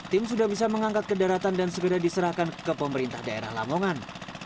tim sudah bisa mengangkat ke daratan dan segera diserahkan ke pemerintah daerah lamongan